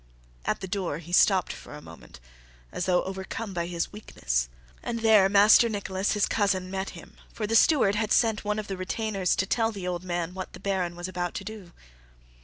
At the door he stopped for a moment as though overcome by his weakness, and there Master Nicholas, his cousin, met him; for the steward had sent one of the retainers to tell the old man what the Baron was about to do.